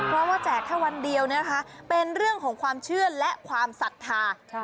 เพราะว่าแจกแค่วันเดียวนะคะเป็นเรื่องของความเชื่อและความศรัทธา